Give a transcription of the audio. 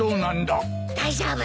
大丈夫。